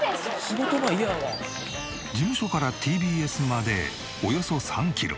事務所からＴＢＳまでおよそ３キロ。